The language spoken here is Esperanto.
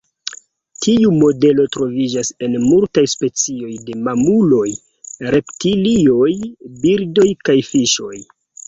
Tiu modelo troviĝas en multaj specioj de mamuloj, reptilioj, birdoj kaj fiŝoj.